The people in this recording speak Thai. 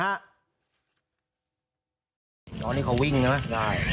อันนี้เขาวิ่งใช่มะได้